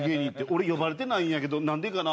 「俺呼ばれてないんやけどなんでかな？」。